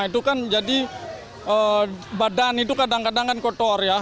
itu kan jadi badan itu kadang kadang kan kotor ya